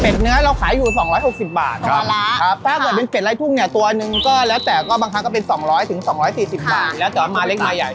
เนื้อเราขายอยู่๒๖๐บาทถ้าเกิดเป็นเป็ดไร้ทุ่งเนี่ยตัวหนึ่งก็แล้วแต่ก็บางครั้งก็เป็น๒๐๐๒๔๐บาทแล้วแต่ว่ามาเล็กมาใหญ่